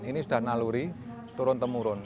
ini sudah naluri turun temurun